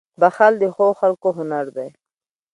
• بښل د ښو خلکو هنر دی.